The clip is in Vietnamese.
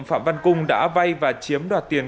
phạm văn cung đã vay và chiếm đoạt tiền